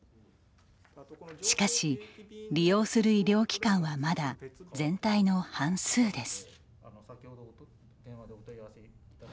しかし、利用する医療機関はまだ全体の半数です。